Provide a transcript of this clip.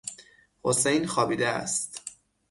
حسین خوابیده است.